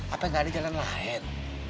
apa nggak ada jalan lain